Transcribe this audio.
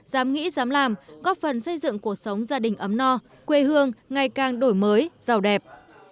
dám nghĩ dám làm góp phần xây dựng cuộc sống gia đình ấm no quê hương ngày càng đổi mới giàu đẹp